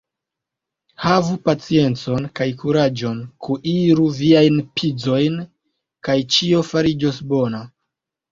Havu paciencon kaj kuraĝon, kuiru viajn pizojn, kaj ĉio fariĝos bona.